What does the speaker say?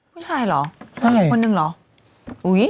ไม่ใช่เหรอคนหนึ่งเหรอ